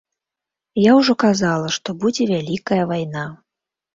Я ўжо казала, што будзе вялікая вайна.